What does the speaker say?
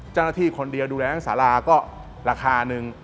เจ้าหน้าที่คนเดียวดูแลสาราก็ราคาหนึ่ง